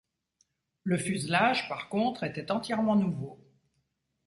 Le fuselage par contre était entièrement nouveau.